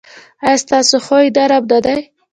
ایا ستاسو خوی نرم نه دی؟